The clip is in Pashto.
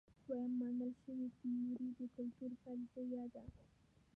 دویمه منل شوې تیوري د کلتور فرضیه ده.